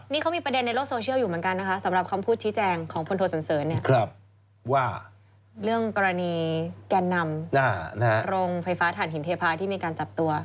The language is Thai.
นี่เขามีประเด็นในโลกโซเชียลอยู่เหมือนกันนะคะสำหรับคำพูดชี้แจงของพลโทสันเสริญเนี่ยว่าเรื่องกรณีแกนนำโรงไฟฟ้าฐานหินเทพาที่มีการจับตัว